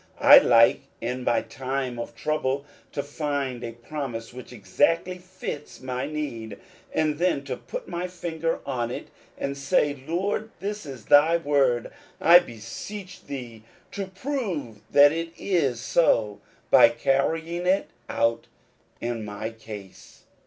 I like in my time of trouble to find a promise which exactly fits my need, and then to put my finger on it, and say, " Lord, this is thy word ; I beseech thee to prove that it is so, by carrying it out in my case.